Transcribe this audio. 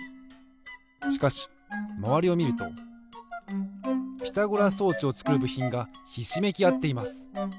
しかしまわりをみるとピタゴラ装置をつくるぶひんがひしめきあっています。